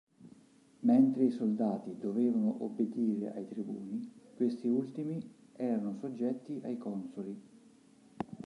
Mentre i soldati dovevano obbedire ai tribuni, questi ultimi erano soggetti ai consoli.